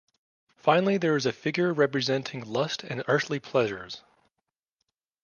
Finally there is a figure representing lust and earthly pleasures.